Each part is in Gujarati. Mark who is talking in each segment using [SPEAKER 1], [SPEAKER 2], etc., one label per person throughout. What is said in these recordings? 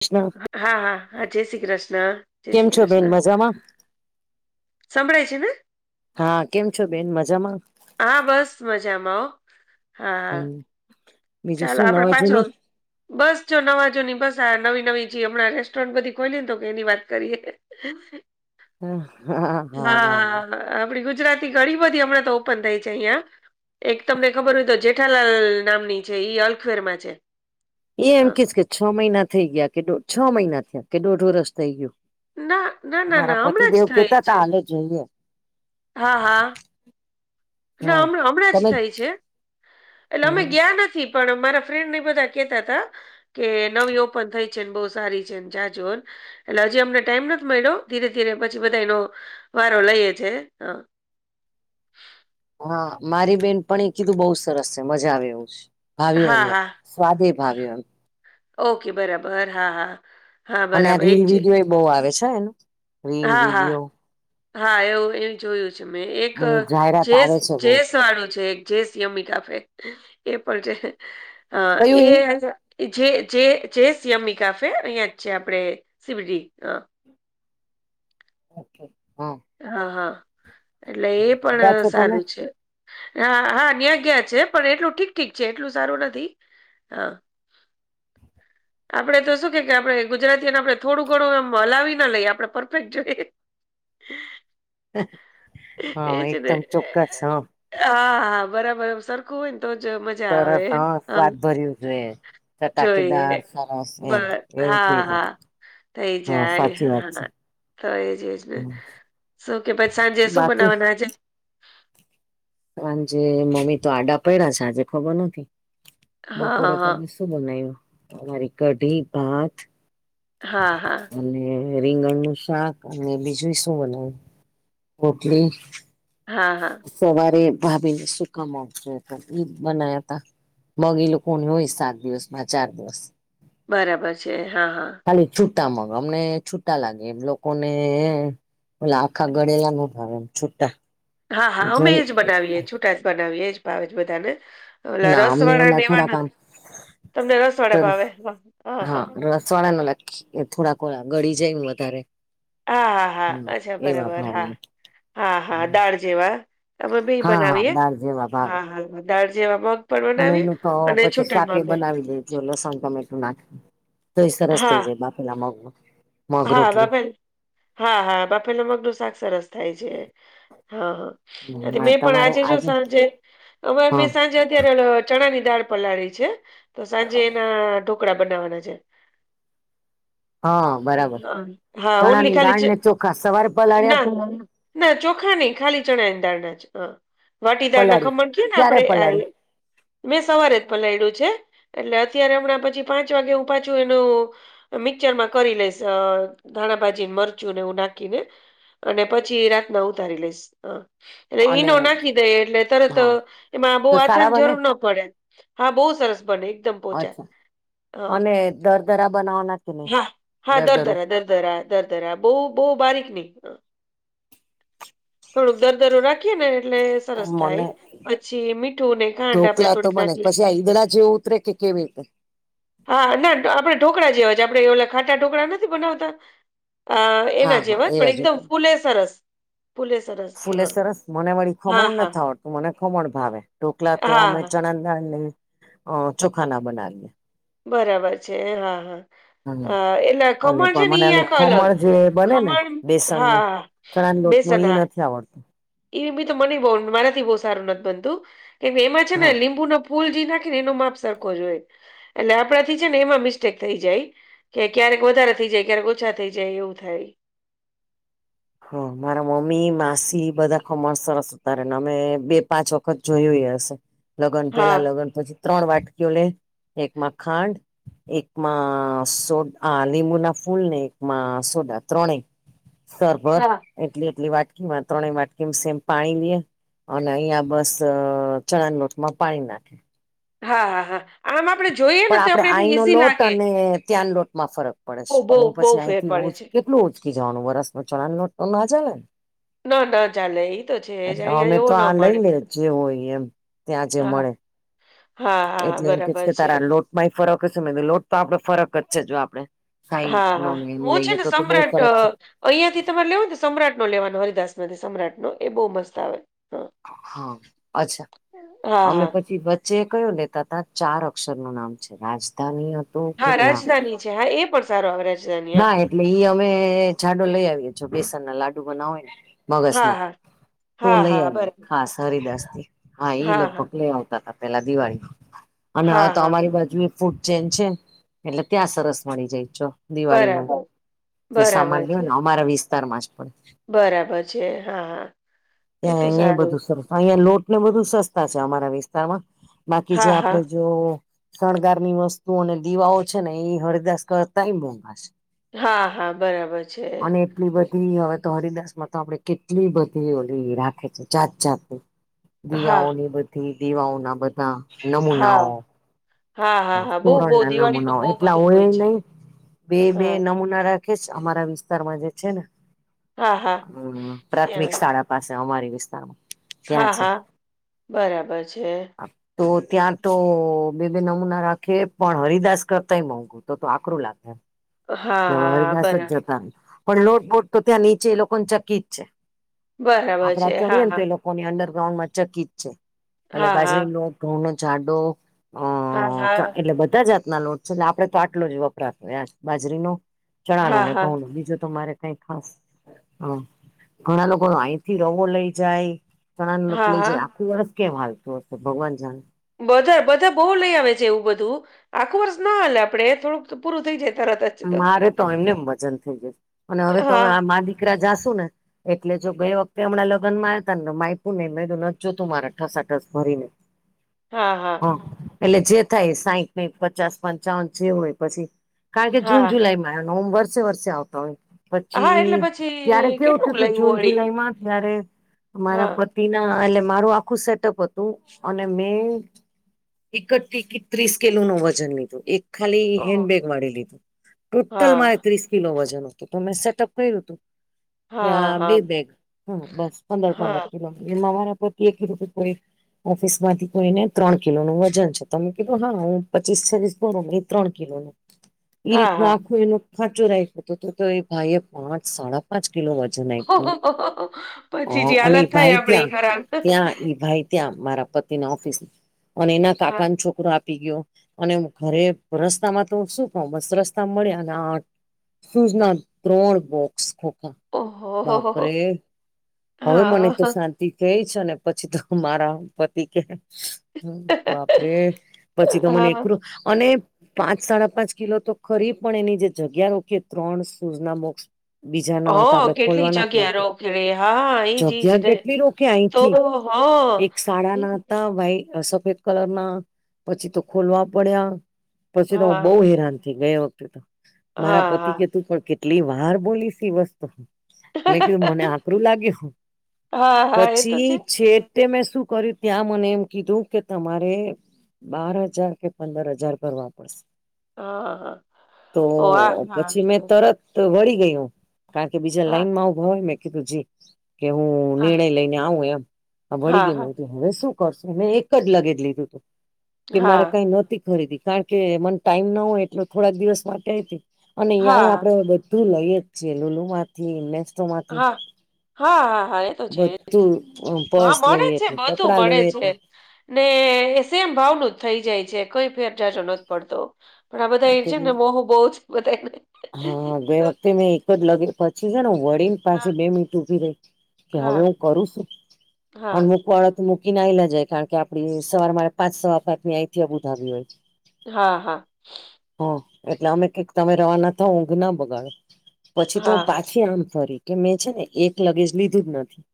[SPEAKER 1] કૃષ્ણ
[SPEAKER 2] હ હા હા હા જય શ્રી કૃષ્ણ જય
[SPEAKER 1] કેમ
[SPEAKER 2] શ્રી
[SPEAKER 1] છો બેન
[SPEAKER 2] કૃષ્ણ
[SPEAKER 1] મજામાં
[SPEAKER 2] સભળાય છે ને.
[SPEAKER 1] હા કેમ છો બેન મજામાં.
[SPEAKER 2] હા બસ મજામાં હો હા હા
[SPEAKER 1] હમ બીજું
[SPEAKER 2] ચાલો
[SPEAKER 1] શું
[SPEAKER 2] આપડે
[SPEAKER 1] નવા
[SPEAKER 2] પાછો.
[SPEAKER 1] જૂની
[SPEAKER 2] બસ જો નવા જો ની બસ આ નવી નવી જે હમણાં રેસ્ટોરન્ટ બધી ખોલી ને તો કે એની વાત કરીએ. હ
[SPEAKER 1] હા હા હા બ
[SPEAKER 2] આપણી ગુજરાતી ઘણી બધી હમણાં તો ઓપન થઈ છે અહિયાં એક તમને ખબર હોય તો જેઠાલાલ નામની છે અલ્ખવેરમાં છે
[SPEAKER 1] એ એમ
[SPEAKER 2] હા
[SPEAKER 1] કેસ કે છ મહિના થઈ ગયા કે છ મહિના થયા કે દોઢોરષ થઈ ગયું
[SPEAKER 2] ના ના ના
[SPEAKER 1] અમારા
[SPEAKER 2] ના હમણાં
[SPEAKER 1] પતિદેવ
[SPEAKER 2] જ થઈ
[SPEAKER 1] કેતા ત
[SPEAKER 2] છે
[SPEAKER 1] હાલે જઈએ
[SPEAKER 2] હા હા ના હ હમણાં જ
[SPEAKER 1] તમે
[SPEAKER 2] થાય છે એટલે અમે
[SPEAKER 1] હમણાં?
[SPEAKER 2] ગયા નથી પણ મારા ફ્રેન્ડ ને બધા કેતા તા કે નવી ઓપન થઈ છે બહુ સારી છે જા જોન એટલે હજી અમને ટાઈમ નથી મળ્યો ધીરે ધીરે પછી બધા એનો વારો લઈએે છે હ
[SPEAKER 1] હા મારી બેન પણ એ કીધું બઉુ સરસ છે મજા આવે એવું છે ભાવ્યું એમ
[SPEAKER 2] હા
[SPEAKER 1] લોકો
[SPEAKER 2] હા
[SPEAKER 1] સ્વાદે ભાવ્યો એમ
[SPEAKER 2] ઓકે બરાબર હા હા
[SPEAKER 1] અને આ
[SPEAKER 2] બરાબર એક
[SPEAKER 1] રીલ
[SPEAKER 2] છે
[SPEAKER 1] વિડીયો એ બહુ આવે છે એનું રીલ
[SPEAKER 2] હા હા
[SPEAKER 1] વિડીયો
[SPEAKER 2] હા એવું એ જોયું છે એક
[SPEAKER 1] એની જાહેરાત
[SPEAKER 2] જે
[SPEAKER 1] આવે છે બઉ
[SPEAKER 2] જેસ વાળું છે જે સમી કાફે એ પણ છે હ એ જે જે શિયામી કાફે અહિયાં જ છે આપણે સિવડી
[SPEAKER 1] અચછા હા
[SPEAKER 2] હા હા એટલે એ
[SPEAKER 1] ગયા
[SPEAKER 2] પણ
[SPEAKER 1] છો તમે
[SPEAKER 2] સારું છે હા હા ન્યાં ગયા છે પણ એટલું ઠીક ઠીક છે એટલું સારું નથી હા
[SPEAKER 1] [unintelligible]
[SPEAKER 2] આપડે તો શું કે કે આપડણે ગુજરાતીને આપડણે થોડું ઘણું એ હલાવી ના લઈએ આપડણે પરફેક્ટ જોઈએ
[SPEAKER 1] હા
[SPEAKER 2] એ છેને
[SPEAKER 1] એકદમ ચોક્કસ હ
[SPEAKER 2] હા હા બરાબર સરખું હોયને તો જ મજા આવે
[SPEAKER 1] સરસ
[SPEAKER 2] હ
[SPEAKER 1] સ્વાદ ભર્યું છે.
[SPEAKER 2] જોઈએ
[SPEAKER 1] ચટાકેદાર સરસ એમ
[SPEAKER 2] બસ
[SPEAKER 1] એવું
[SPEAKER 2] હા
[SPEAKER 1] થઈ જાય
[SPEAKER 2] હા ત એ
[SPEAKER 1] હા
[SPEAKER 2] જાય
[SPEAKER 1] સાચી વાત
[SPEAKER 2] હ
[SPEAKER 1] છે.
[SPEAKER 2] તો એ જજ ને
[SPEAKER 1] હમ.
[SPEAKER 2] [inaudible] શું કે પછી સાંજે શું
[SPEAKER 1] બાકી
[SPEAKER 2] બનાવવાના આજે
[SPEAKER 1] કાર જે મમ્મી તો આડા પ્યા છે આજે ખબર નથી
[SPEAKER 2] હા
[SPEAKER 1] બપોરે
[SPEAKER 2] હા
[SPEAKER 1] તોમે શું બનાવું તમારી કઢી ભાત
[SPEAKER 2] હા હા
[SPEAKER 1] અને રીંગણ નું શાક અને બીજું શું બનાવ રોટલી
[SPEAKER 2] હા હા
[SPEAKER 1] સવારે ભાભી ને સુકાામ આવશે બનાયા તા મગ એ લોકો કોણ હોય સાત દિવસમાં ચાર દિવસ
[SPEAKER 2] બરાબર છે હા હા
[SPEAKER 1] ખાલી છૂટા મગ અમને છૂટા લાગે એમ લોકોને ઓલા આખા ગળેલા ન ભાવમ છુટા
[SPEAKER 2] હા હા અમે એજ બનાવીએ છૂટા જ બનાવીએ એજ ભાવે બધાને અલા
[SPEAKER 1] ના અમને ઓલા
[SPEAKER 2] રસવાડાાગેવાણ
[SPEAKER 1] થોડાક આમ
[SPEAKER 2] તમને રસ વાડે
[SPEAKER 1] સરસ
[SPEAKER 2] ભાવે હ હા હ
[SPEAKER 1] એ થોડા કોળા ગળી જાય વધારે
[SPEAKER 2] હા હા
[SPEAKER 1] હમ
[SPEAKER 2] હા અચ્છા
[SPEAKER 1] એવા
[SPEAKER 2] બરાબર
[SPEAKER 1] ભાવે
[SPEAKER 2] હા હા હા દાળ જેવા તમે બે
[SPEAKER 1] હા હા
[SPEAKER 2] બનાવીએ
[SPEAKER 1] દાળ જેવા ભાવે
[SPEAKER 2] હા હા દાળ જેવા મ
[SPEAKER 1] અને એનું તો પછી શાકે બનાવી દેજો લસણ ટમેટું ના તોય સરસ
[SPEAKER 2] હા
[SPEAKER 1] થઈ જાય બાપેલા મગ મગ
[SPEAKER 2] હા
[SPEAKER 1] રોટલી
[SPEAKER 2] બાપે હા હા બાપે ન મગનું શાક સરસ થાય છે હા હા મેં પણ આજે જો સાંજે અમારે
[SPEAKER 1] હા
[SPEAKER 2] મેં સાંજે અત્યારે ચણા ની દાળ પલાળી છે તો સાંજે એના ઢોકળા બનાવવાના છે
[SPEAKER 1] હા બરાબર
[SPEAKER 2] હા હા, ઓનલી
[SPEAKER 1] ચણાની
[SPEAKER 2] ખાલી છે
[SPEAKER 1] દાળ ને ચોખા સવાર પલાડ્યા
[SPEAKER 2] ના ના ચોખા નહી ખાલી ચણા દારના જ વાટીદારના
[SPEAKER 1] પલાળી
[SPEAKER 2] ખમણ છે ને
[SPEAKER 1] ક્યારે
[SPEAKER 2] આપડણે આ
[SPEAKER 1] પલાળી
[SPEAKER 2] મેં સવારે જ પલાયડુ છે, એટલે અત્યારે હમણાં પછી પાંચ વાગે હું પાછું એનું મિક્ચરમાં કરી લઈશ અ ધાણાભાજી મરચું નેવું નાખીને અને પછી રાતના ઉતારી લઈશ હ
[SPEAKER 1] અને
[SPEAKER 2] ઈનો નાખી દઈ એટલે તરત
[SPEAKER 1] હા
[SPEAKER 2] એમાં બો
[SPEAKER 1] તો
[SPEAKER 2] આછન
[SPEAKER 1] સારા બને
[SPEAKER 2] જરૂર ના પડે હા બો સરસ બને એકદમ પોચા
[SPEAKER 1] અચ્છા
[SPEAKER 2] હા
[SPEAKER 1] અને દરદરા બનાવ નાખીને
[SPEAKER 2] હા હા દરદરા દરદરા દરદરા બો બો બારીક ની થોડુંક દરદરુ રા ખીએને એટલે સરસ થાય
[SPEAKER 1] મને
[SPEAKER 2] પછી મીઠુંને ખાંડ આપણેે
[SPEAKER 1] ઢોકલા તો
[SPEAKER 2] થોડીક
[SPEAKER 1] બને
[SPEAKER 2] નાખી
[SPEAKER 1] પછી આ ઈદડા જેવું ઉતરે કે કેવી તે
[SPEAKER 2] હા ના આપણે ઢોકા જેવા જ આપડે ઓલા ખાટા ઢોકળા નથી બનાવતા અ
[SPEAKER 1] હા
[SPEAKER 2] એના
[SPEAKER 1] હા
[SPEAKER 2] જેવા પણ
[SPEAKER 1] એવા જો
[SPEAKER 2] એકદમ
[SPEAKER 1] તમે
[SPEAKER 2] ફૂલે સરસ ફૂલે સરસ
[SPEAKER 1] ફૂલે
[SPEAKER 2] હા
[SPEAKER 1] સરસ મને વળી
[SPEAKER 2] હા
[SPEAKER 1] ખમણ ન
[SPEAKER 2] હા
[SPEAKER 1] થ મને ખમણ ભાવે ઢોકલા તો
[SPEAKER 2] હા
[SPEAKER 1] અમે
[SPEAKER 2] હા
[SPEAKER 1] ચણા દાળ લઈ અ ચોખાના બનાવીએ
[SPEAKER 2] બરાબર છે, હા હા. હ એટલે
[SPEAKER 1] અને
[SPEAKER 2] ખમણ છે, ને
[SPEAKER 1] પણ
[SPEAKER 2] ઈ
[SPEAKER 1] મને
[SPEAKER 2] [unintelligible] અલગ
[SPEAKER 1] ખમણ
[SPEAKER 2] ખમણ હા
[SPEAKER 1] ચણાં લોટનુ
[SPEAKER 2] બેસન
[SPEAKER 1] ઈ
[SPEAKER 2] હા
[SPEAKER 1] નથી આવ
[SPEAKER 2] એ બી તો મને મારાથી બો સારું નથી બનતું કેમ એમાં છે,
[SPEAKER 1] હા
[SPEAKER 2] ને લીંબુ ન ફૂલજી નાખીને એનો માપ સરખો જ હોય એટલે આપણાથી છે, ને એમાં મિસ્ટેક થઈ જાય કે ક્યારેક વધારે થઇ જાય ક્યારેક ઓછા થઇ જાય એવું થાય
[SPEAKER 1] હ મારા મમ્મી માસી બધા ખમણ સરસ ઉતારે ને અમે બે પાંચ વ ખત જોયું હશે લગ્ન
[SPEAKER 2] હા
[SPEAKER 1] પેલા લગ્ન પછી ત્રણ વાટકીઓ લે એકમાં ખાંડ એકમાં સો આ લીંબુના ફૂલ ને એકમાં સોડા ત્રણે સરભર
[SPEAKER 2] હા.
[SPEAKER 1] એટલી એટલી વાટકીમાં ત્રણેય વાટકીમાં સેમ પાણી લીએ અને અહિયાં બસ ચણા લોટમાં પાણી ના
[SPEAKER 2] હા હા હા. આમ આપણે જોઈએ ને
[SPEAKER 1] પણ
[SPEAKER 2] તો
[SPEAKER 1] આપડે
[SPEAKER 2] એમ
[SPEAKER 1] આહીંનો
[SPEAKER 2] ઈઝી
[SPEAKER 1] લોટ
[SPEAKER 2] લાગે
[SPEAKER 1] અને ત્યાં લોટમાં ફરક પડે છે,
[SPEAKER 2] બહુ બહુ
[SPEAKER 1] હું
[SPEAKER 2] બહુ
[SPEAKER 1] પછી
[SPEAKER 2] ફેર
[SPEAKER 1] અહીંથી
[SPEAKER 2] પડે
[SPEAKER 1] ઉ જ
[SPEAKER 2] છે
[SPEAKER 1] કેટલું ઉચકી જવાનું વરસમાં ચોળા લોટ ના જાને
[SPEAKER 2] ન ન ચાલે તો છે જ
[SPEAKER 1] એટલે
[SPEAKER 2] અહીંયા
[SPEAKER 1] અમે
[SPEAKER 2] એવો
[SPEAKER 1] તો
[SPEAKER 2] ના
[SPEAKER 1] આ લઈ
[SPEAKER 2] મળે
[SPEAKER 1] લે જે હોય એમ ત્યાં જે
[SPEAKER 2] હા
[SPEAKER 1] મળે
[SPEAKER 2] હા હા
[SPEAKER 1] એટલે એમ કે છે,
[SPEAKER 2] બરાબર
[SPEAKER 1] કે તારા લોટમાંય ફરક હસે લોટ તો આપડે ફરક જ છે, જો આપડે સાઈ
[SPEAKER 2] હા
[SPEAKER 1] નો
[SPEAKER 2] હા
[SPEAKER 1] ને એમ
[SPEAKER 2] હું છે,
[SPEAKER 1] લઈએ
[SPEAKER 2] ને
[SPEAKER 1] તો તો બહુ
[SPEAKER 2] સમ્રાટ
[SPEAKER 1] ફરક છે
[SPEAKER 2] અહિયા થી તમારે લેવ સમ્રાટ નો લેવાનો હરિદાસમાંથી સમ્રાટ નો એ બો મસ્ત આવે છે.
[SPEAKER 1] હા અચ્છા
[SPEAKER 2] હા
[SPEAKER 1] અમે
[SPEAKER 2] હા
[SPEAKER 1] પછી પા જે કયુ લેતાતા ચાર અક્ષર નું નામ છે, રાજધાની હતું કે
[SPEAKER 2] હા
[SPEAKER 1] ના
[SPEAKER 2] રાજધાની છે, હા એ પણ સારું આવે રાજધાની આ
[SPEAKER 1] ના એટલે ઈ અમે જાડો લઈ આવીએ બેસનના લાડુ બનાવે ને મગસના
[SPEAKER 2] હા
[SPEAKER 1] તો
[SPEAKER 2] હા
[SPEAKER 1] લઈ
[SPEAKER 2] હા હા
[SPEAKER 1] આવયે
[SPEAKER 2] બરાબર
[SPEAKER 1] ખાસ હરિદાસથી હા એ લગભગ લઈ આવતા તા પેલા દિવાળી અને હવે
[SPEAKER 2] હા
[SPEAKER 1] તો
[SPEAKER 2] હા
[SPEAKER 1] અમારી બાજુએ ફૂડ ચેન છે, એટલે ત્યાં સરસ મળી જાય ચો દિવાળીનું
[SPEAKER 2] બરાબર
[SPEAKER 1] એ સામાન
[SPEAKER 2] બરાબર
[SPEAKER 1] લેન હોય
[SPEAKER 2] છે
[SPEAKER 1] ને અમારા વિસ્તારમાં જ પણ
[SPEAKER 2] બરાબર છે, હા હા તો
[SPEAKER 1] ત્યાં
[SPEAKER 2] તો
[SPEAKER 1] અહિયાંય
[SPEAKER 2] સારું
[SPEAKER 1] બધું સરસ અહિયાં લોટને બધું સસ્તા છે, અમારા વિસ્તારમાં બાકી જે
[SPEAKER 2] હા હા
[SPEAKER 1] આપડે જો શણગારની વસ્તુઓ અને દીવાઓ છે, ઈ હરિદાસ કરતાય મોંઘા છે.
[SPEAKER 2] હા હા બરાબર છે.
[SPEAKER 1] કેટલી બધી હવે તો હરિદાસ માં તો આપડે કેટલી બધી ઓલી રાખે છે જાત જાત
[SPEAKER 2] હા
[SPEAKER 1] દીવાઓની બધી દીવાઓના બધા
[SPEAKER 2] હા
[SPEAKER 1] નમૂનાઓ.
[SPEAKER 2] હા હા હા બહુ
[SPEAKER 1] તોરણ
[SPEAKER 2] બહુ
[SPEAKER 1] ના
[SPEAKER 2] દિવાળીમાં
[SPEAKER 1] નમૂનાઓ
[SPEAKER 2] બહુ
[SPEAKER 1] એટલા
[SPEAKER 2] બધું
[SPEAKER 1] હોય
[SPEAKER 2] છે
[SPEAKER 1] નહી. બે બે
[SPEAKER 2] હા
[SPEAKER 1] નમૂના રાખે છે અમારા વિસ્તારમાં જે છે ને
[SPEAKER 2] હા હા
[SPEAKER 1] હમ પ્રાથમિક
[SPEAKER 2] ત્યાં
[SPEAKER 1] શાળા પાસે અમારી વિસ્તારમાં. ત્યાં
[SPEAKER 2] હા
[SPEAKER 1] છે.
[SPEAKER 2] હા બરાબર છે.
[SPEAKER 1] તો ત્યાં તો બે બે નમૂના નાખે પણ હરિદાસ કરતાય મોંઘું તો તો આકરું લાગે.
[SPEAKER 2] હા હા હા
[SPEAKER 1] હરદાસ જ
[SPEAKER 2] બરા
[SPEAKER 1] જતા પણ નોટબોર્ડ તો ત્યાં નીચે એ લોકોને ચકી જ છે.
[SPEAKER 2] બરાબર
[SPEAKER 1] આપડા
[SPEAKER 2] છે હા
[SPEAKER 1] ચડીએ તો
[SPEAKER 2] હા
[SPEAKER 1] એ લોકો લોકોની અંડરગ્રાઉન્ડમાં ચકિત છે એટલે
[SPEAKER 2] હા
[SPEAKER 1] બાજરી લો ઘઉં નો જાાડો અ
[SPEAKER 2] હા હા
[SPEAKER 1] એટલે બધા જાતના લોટ છે એટલે આપડે તો આટલો જ વપરાતો બાજરીનો
[SPEAKER 2] હા
[SPEAKER 1] ચણાણ
[SPEAKER 2] હા
[SPEAKER 1] ને
[SPEAKER 2] હા
[SPEAKER 1] ઘઉંનું બીજું તમારે કઈ ખાસ હ ઘણા લોકો અહીથી રવો લઈ જાય ચણા લોટ
[SPEAKER 2] હા
[SPEAKER 1] લઈ
[SPEAKER 2] હા
[SPEAKER 1] જાય આખું વરસ કેમ હાલતું હશે ભગવાન જાણે.
[SPEAKER 2] બધા બધા બોઉ લઈ આવે છે એવું બધું આખું વર્ષ ના હાલે આપડે થોડુંક તો પૂરું થઈ જાય તરત જ.
[SPEAKER 1] મારે તો એમને વજન થઈ જશે અને હવે તમે
[SPEAKER 2] હા
[SPEAKER 1] આ મા દીકરા જાશું ને. એટલે જો ગઈ વખતે હમણાં લગ્નમાં આવતા ને માયપુ નને મેું નજ તું મારા ઠસાઠસ ભરીને. [inaudible]
[SPEAKER 2] હા હા.
[SPEAKER 1] હ એટલે જે થાય સાહીઠ પચાસ પંચાવન જેવું હોય પછી કારણ કે જૂન
[SPEAKER 2] હા,
[SPEAKER 1] જુલાઈ માં આવ ઓમ વર્સે વર્ષે આવતો હોય.
[SPEAKER 2] હા,
[SPEAKER 1] પછી
[SPEAKER 2] એટલે
[SPEAKER 1] ત્યારે
[SPEAKER 2] પછી
[SPEAKER 1] કેવું
[SPEAKER 2] કેટલુંક
[SPEAKER 1] થયું તું
[SPEAKER 2] લઈ
[SPEAKER 1] જૂન
[SPEAKER 2] વળી?
[SPEAKER 1] જુલાઈમાં ત્યારે અ મારા
[SPEAKER 2] હા,
[SPEAKER 1] પતિ ના એટલે મારું આખું સેટઅપ હતું અને મે એક જ ટીકીટ ત્રીસ કિલો નો વજન લીધું એક ખાલી
[SPEAKER 2] ઓ,
[SPEAKER 1] હેન બેગ વાડી લીધું ટોટલ મારે
[SPEAKER 2] હા,
[SPEAKER 1] ત્રીસ કિલો વજન હતું. તો તો મેં સેટઅપ કર્યું હતું
[SPEAKER 2] હા,
[SPEAKER 1] યા બે
[SPEAKER 2] હા,
[SPEAKER 1] બેગ હા બસ પંદર પંદર
[SPEAKER 2] હા,
[SPEAKER 1] કિલો [unintelligible] પતિ એક [unintelligible] ઓફિસ માંથી કોઈને ત્રણ કિલો નું વજન છે તમે કીધું હા હું પચીસ છવીશ ભરો એ ત્રણ કિલો નું એ
[SPEAKER 2] હા,
[SPEAKER 1] રીતનો
[SPEAKER 2] હા.
[SPEAKER 1] આખો એનો ખાચો રાખ્યો હતો તો એ ભાઈ એ પાંચ સાડા પાંચ કિલો
[SPEAKER 2] પછી જે
[SPEAKER 1] અને એ
[SPEAKER 2] હાલત થાય
[SPEAKER 1] ભાઈ
[SPEAKER 2] આપડી
[SPEAKER 1] ત્યાં
[SPEAKER 2] ખરાબ.
[SPEAKER 1] ત્યાં એઈ ભાઈ ત્યાં મારા પતિની ઓફિસ અને એના
[SPEAKER 2] હા,
[SPEAKER 1] કાકા ના છો કરો આપી ગયો અને ઘરે રસ્તામાં તો શું કવ રસ્તા મળ્યા અને આઠ શૂઝ ના ત્રણ બોક્સ ખો
[SPEAKER 2] ઓહોહોહો!
[SPEAKER 1] બાપરે હવે મને
[SPEAKER 2] હા,
[SPEAKER 1] તો શાં તિ થય છે અને પછી તો મારા પતિ કે બાપરે પછી ગમને
[SPEAKER 2] હા.
[SPEAKER 1] એકરું અને પાંચ સાડા પાંચ કિલો તો ખરી પણ એની જે જગ્યા રોકે ત્રણ સૂઝના બોક્ષ બીજા ના હોય તો
[SPEAKER 2] હા,
[SPEAKER 1] આપણેે
[SPEAKER 2] કેટલી
[SPEAKER 1] ખોલવા નાજ
[SPEAKER 2] જગ્યા
[SPEAKER 1] નઈ
[SPEAKER 2] રોકડે હા, ઈજ ઈજ
[SPEAKER 1] જગ્યા
[SPEAKER 2] ને
[SPEAKER 1] કેટલી રોકે આઈ
[SPEAKER 2] તો
[SPEAKER 1] થી
[SPEAKER 2] હા.
[SPEAKER 1] એક સાડાા ના હતા ભાઈ સફેદ કલર ના પછી તો ખોલવા પડ્યા પછી તો હું
[SPEAKER 2] હા,
[SPEAKER 1] બહુ હેરાન કે ગયા વખતે તો મારા
[SPEAKER 2] હા,
[SPEAKER 1] પતિ કે
[SPEAKER 2] હા.
[SPEAKER 1] તું પણ કેટલી વાર બોલીશ ઈ વસ્તુ મેં કીધું મને આકરું લાગ્યું
[SPEAKER 2] હા, હા, એ તો
[SPEAKER 1] પછી છે તે મેં શું કર્યું ત્યાં મને એમ કીધું કે તમારે બાર હજાર કે પંદર હજાર ભરવા પડશે.
[SPEAKER 2] અહહ.
[SPEAKER 1] તો પછી મેં તરત તો વળી ગય જ કારણ કે બીજા
[SPEAKER 2] હા,
[SPEAKER 1] લાઈન માં ઉભા હોય મેં કીધું કે હું
[SPEAKER 2] હા.
[SPEAKER 1] નિર્ણય લઈને આવું એમ વળી
[SPEAKER 2] હા,
[SPEAKER 1] ગય મે
[SPEAKER 2] હા,
[SPEAKER 1] એટલે હવે શું મેં એક જ લગે જ લીધું હતું કે મારે
[SPEAKER 2] હા,
[SPEAKER 1] કઈ નતી ખરીદી કારણ કે મને ટાઈમ ના હોય એટલે થોડાક દિવસ માટે હતી અને અહીં
[SPEAKER 2] હા,
[SPEAKER 1] આપડે તું લઈએ જ છ લુલુ માંથી મેસ્ટોમાંથી
[SPEAKER 2] હા, હા હા હા એ તો છે એજ હા
[SPEAKER 1] પર્સ
[SPEAKER 2] મળે
[SPEAKER 1] લઈએ
[SPEAKER 2] છે
[SPEAKER 1] એટલે
[SPEAKER 2] બધું
[SPEAKER 1] કપડાં
[SPEAKER 2] મળે
[SPEAKER 1] લઈએ
[SPEAKER 2] છે.
[SPEAKER 1] એટલે
[SPEAKER 2] ને એ સેમ ભાવનું જ થઈ જાય છે કોઈ ફેર ઝાઝો નથ પડતો. પણ આ બધા એ છે ને મોહ બહુ છે બધાયને.
[SPEAKER 1] હા ગઈ વખતે મેં એક જ લ પછી છે ને વળીને
[SPEAKER 2] હા,
[SPEAKER 1] પાછી બે મીનીટ ઉભી રહી. કે હવે
[SPEAKER 2] હા.
[SPEAKER 1] હું કરું શું
[SPEAKER 2] હા,
[SPEAKER 1] અમુક વાળ મૂકીને આઈ ના જાય કારણ કે આપડી સવાર મારે પાંચ સવા પાચ ની અહીંથી બુધ આવી હોય.
[SPEAKER 2] હા હા.
[SPEAKER 1] ઓહ એટલે અમે કેક તમે રવાના થાવ ઊંઘ ના બગાડો પછી તો હુ
[SPEAKER 2] હા,
[SPEAKER 1] પાછ આમ ફરી કે મેં છે ને એક લગેજ લીધું જ નથી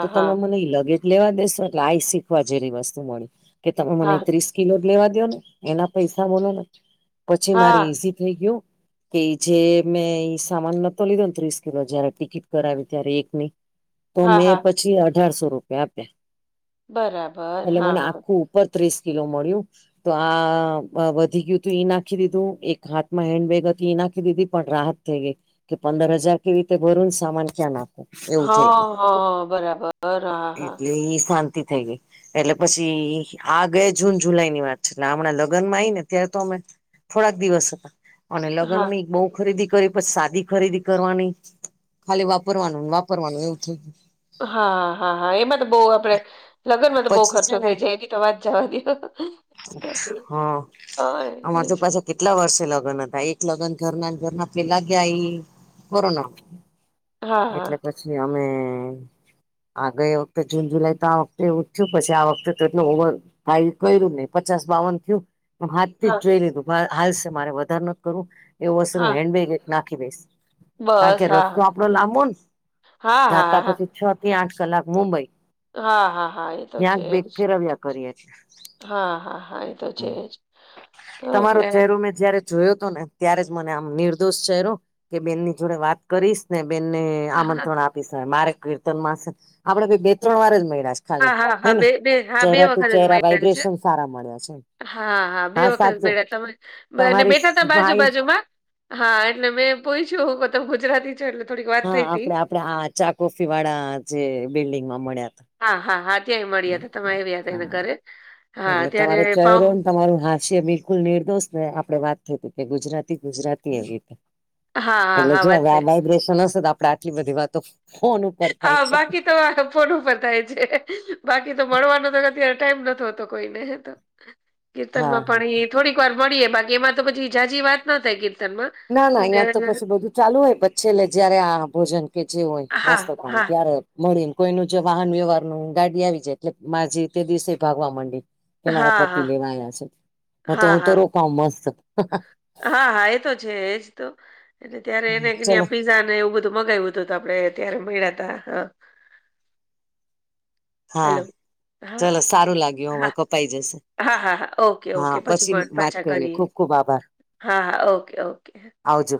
[SPEAKER 1] તો તમે
[SPEAKER 2] હા,
[SPEAKER 1] મને લગેજ લેવા દેેશો એટલે આ શીખવા જેવી વસ્તુ મળી કે તમે મને
[SPEAKER 2] હા,
[SPEAKER 1] ત્રીસ કિલો લેવા દો ને એના પૈસા બોલો ને પછી મારે
[SPEAKER 2] હા,
[SPEAKER 1] ઈઝી થઈ ગયું. કે જે મેં સામાન નતો લીધો ને ત્રીસ કિલો જયારે ટિકિટ કરાવી ત્યારે એકની તો
[SPEAKER 2] હા,
[SPEAKER 1] મેં
[SPEAKER 2] હા,
[SPEAKER 1] પછી અઢારસો રૂપિયા આપ્યા
[SPEAKER 2] બરાબર,
[SPEAKER 1] એટલે
[SPEAKER 2] હા,
[SPEAKER 1] મને
[SPEAKER 2] હા,
[SPEAKER 1] આખું બત્રીસ કિલો મળ્યું. તો આ વધી ગયું તું ઈ નાખી દીધું એક હાથમાં હેન્ડબેગ હતી એ નાખી દીધી પણ રાહત થઈ ગઈ કે પંદર હજાર કેવી રીતે ભરુ ને સામાન ક્યાં નાખું. એવું થઈ ગયું
[SPEAKER 2] હા, હા, બરાબર, હા, હા,
[SPEAKER 1] એટલે ઈ શાંતિ થઈ ગઈ. એટલે પછી આ ગયા જૂન જુલાઈ ની વાત છે એટલે હમણાં લગ્નમાં આઈ ને ત્યારે તો અમે થોડાક દિવસ અને લગ્ન
[SPEAKER 2] હા.
[SPEAKER 1] ની બહુ ખરીદી કરી પછી સાદી ખરીદી કરવાની ખાલી વાપરવાનું વાપરવાનું એવું થય ગયું.
[SPEAKER 2] હા હા હા હા એમાં તો બહુ આપડે લગ્નમાં તો
[SPEAKER 1] ગયું
[SPEAKER 2] બહુ
[SPEAKER 1] પછી છે
[SPEAKER 2] ખર્ચો
[SPEAKER 1] ને
[SPEAKER 2] થઈ જાય એ તો વાત જવા દેઓ.
[SPEAKER 1] હા અમાર તો પાછા તે કેટલા વર્ષે લગ્ન હતા એક લગ્ન ઘરના ઘરના પેલા ગ્યા એ કોરોના એટલે
[SPEAKER 2] હા
[SPEAKER 1] પછી અમે આગળ વખતે જૂન જુલાઈ તો આ વખતે એવું થયું પછી આ વખતે તો એટલુ ઓવર થાય. કયરુ જ નહી પચાસ બાવન થયું હાથ થી
[SPEAKER 2] હા
[SPEAKER 1] જ જોઈ લીધું હાલસે મારે વધારે નથ કરવું એવું હશે તો હું
[SPEAKER 2] હા
[SPEAKER 1] હેન્ડ બેગ એક નાખી દઈસ. કારણ કે
[SPEAKER 2] બસ
[SPEAKER 1] રસ્તો
[SPEAKER 2] હા
[SPEAKER 1] આપડો લાંબો ને
[SPEAKER 2] હા હા
[SPEAKER 1] જાતા
[SPEAKER 2] હા
[SPEAKER 1] પછી છ થી આઠ કલાક મુંબઈ
[SPEAKER 2] હા હા હા એ તો
[SPEAKER 1] ક્યાંક
[SPEAKER 2] છે
[SPEAKER 1] બેગ
[SPEAKER 2] જ
[SPEAKER 1] ફેરવ્યા કરીએ છે.
[SPEAKER 2] હા હા હા એ તો છે જ તો એટલે
[SPEAKER 1] અમે જયારે જોયો હતો ને ત્યારે જ મને આમ નિર્દોષ ચહેરો કે બેનની જોડે વાત કરીશ ને બેનને
[SPEAKER 2] હા હા
[SPEAKER 1] આમંત્રણ આપીશ મારે કીર્તન માં છે આપડે ભાઈ બે ત્રણ વાર જ મળ્યા છે. ખાલી
[SPEAKER 2] હા હા
[SPEAKER 1] હે
[SPEAKER 2] હા
[SPEAKER 1] ને
[SPEAKER 2] બે બે હા બે
[SPEAKER 1] ચહેરા ટુ
[SPEAKER 2] વખત જ
[SPEAKER 1] ચહેરા
[SPEAKER 2] મળ્યા છે.
[SPEAKER 1] વાઈબ્રેશન સારા મળ્યા છે.
[SPEAKER 2] હા હા બે વખત મયળા તમે
[SPEAKER 1] તમારી
[SPEAKER 2] બેઠાતા બાજુ
[SPEAKER 1] સ્માઈલ
[SPEAKER 2] બાજુમાં. હા એટલે મેં પૂછ્યું હું તમ ગુજરાતી છો એટલે થોડીક વાત
[SPEAKER 1] હા
[SPEAKER 2] થઈ તી
[SPEAKER 1] આપડે આપડે આ ચાકોફી વાળા જે બિલ્ડીિંગમાં મળ્યા હતા.
[SPEAKER 2] હા હા હા ત્યાંય મળીયા હતા તમે આવ્યા હતા એને
[SPEAKER 1] હા
[SPEAKER 2] ઘરે હા
[SPEAKER 1] એટલે તમારો
[SPEAKER 2] ત્યારે પામ
[SPEAKER 1] ચહેરો ને તમારું હાથ છે બિલકુલ નિર્દોષ ને આપડે વાત થઈતી કે ગુજરાતી ગુજરાતી એ રીતે.
[SPEAKER 2] હા હા
[SPEAKER 1] એટલે
[SPEAKER 2] હા
[SPEAKER 1] જો
[SPEAKER 2] વાત
[SPEAKER 1] હવે
[SPEAKER 2] થઈ
[SPEAKER 1] આ વાઈબ્રેશન હશે તો આપડે આટલી બધી વાતો ફોન ઉપ
[SPEAKER 2] હા બાકી ત તો આ ફોન ઉપર થાય છે. બાકી તો મળવાનો તો અત્યારે ટાઈમ નથ હોતો કોઈને ત.
[SPEAKER 1] [inaudible]
[SPEAKER 2] કીર્તનમાં
[SPEAKER 1] હા
[SPEAKER 2] પણ એ થોડીક વાર મળીએે બાકી એમાં તો પછી ઈ ઝાજી વાત ના થાય કીર્તન માં.
[SPEAKER 1] ના ના અહીંયા તો પછી બધું ચાલુ હોય પછી એટલે જયારે આ ભોજન કે જે હોય
[SPEAKER 2] હા
[SPEAKER 1] નાસ્તો
[SPEAKER 2] હા
[SPEAKER 1] પાણી ત્યારે. મળીને કોઈ ન જો વાહન વ્યવહાર નું ગાડી આવી જાય એટલે માજી તે દિવસે ભાગવા માંડે. કે
[SPEAKER 2] હા
[SPEAKER 1] મારા
[SPEAKER 2] હા
[SPEAKER 1] પતિ
[SPEAKER 2] હા
[SPEAKER 1] લેવા આયવા છે ન તો હું તો
[SPEAKER 2] હા
[SPEAKER 1] રોકાઉ મસ્ત.
[SPEAKER 2] હા હા એ તો છે એજ તો ત્યારે એને
[SPEAKER 1] ચલો
[SPEAKER 2] [unintelligible] પીઝા તો એવું બધું મગાવ્યું તું આપડે ત્યારે મળ્યા તા હા.
[SPEAKER 1] હા.
[SPEAKER 2] હલો હા
[SPEAKER 1] ચલો સારું લાગ્યું
[SPEAKER 2] હા
[SPEAKER 1] હવે કપાઈ જશે.
[SPEAKER 2] હા હા હા ઓકે
[SPEAKER 1] હા
[SPEAKER 2] ઓકે પછી
[SPEAKER 1] વાત
[SPEAKER 2] પાછા કરીએ.
[SPEAKER 1] ખુબ ખુબ આભાર
[SPEAKER 2] હા હા ઓકે ઓકે.
[SPEAKER 1] આવજો.